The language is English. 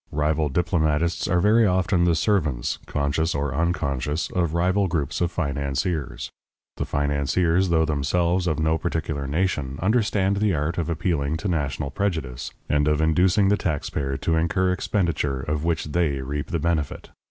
Rival diplomatists are very often the servants, conscious or unconscious, of rival groups of financiers. The financiers, though themselves of no particular nation, understand the art of appealing to national prejudice, and of inducing the taxpayer to incur expenditure of which they reap the benefit.